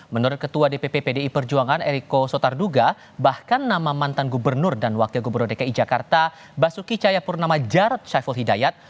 menurut ketua dpp pdi perjuangan eriko sotarduga bahkan nama mantan gubernur dan wakil gubernur dki jakarta basuki cayapurnama jarod saiful hidayat